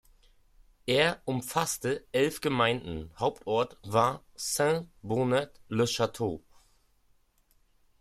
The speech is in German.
Er umfasste elf Gemeinden, Hauptort war Saint-Bonnet-le-Château.